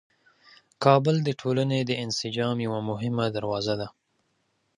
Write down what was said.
کابل د ټولنې د انسجام یوه مهمه دروازه ده.